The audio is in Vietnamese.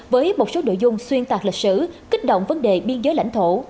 với một số nội dung xuyên tạc lịch sử kích động vấn đề biên giới lãnh thổ